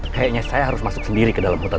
kayaknya saya harus masuk sendiri ke dalam hutan